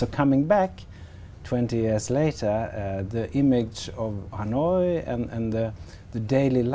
cảm nhận rất sâu sắc về phát triển ở đây